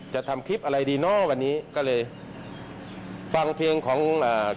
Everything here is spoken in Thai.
จะทำคลิปอะไรดีเนอะวันนี้ก็เลยฟังเพลงของอ่า